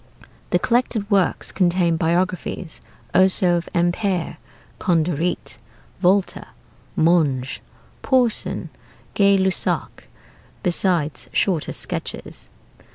The collected works contain biographies also of Ampère, Condoreet, Volta, Monge, Porson, Gay Lussac, besides shorter sketches.